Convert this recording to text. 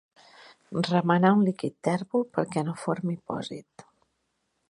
Remenar un líquid tèrbol perquè no formi pòsit.